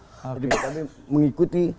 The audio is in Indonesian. jadi pkb mengikuti dpc